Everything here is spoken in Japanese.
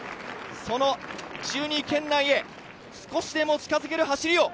その１２位県内へ少しでも近づける走りを。